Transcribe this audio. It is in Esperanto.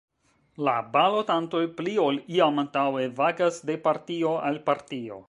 La balotantoj pli ol iam antaŭe vagas de partio al partio.